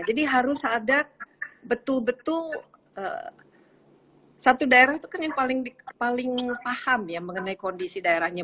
jadi harus ada betul betul satu daerah itu kan yang paling paham ya mengenai kondisi daerahnya